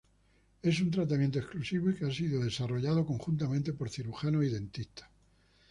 Es un tratamiento exclusivo y que ha sido desarrollado conjuntamente por cirujanos y dentistas.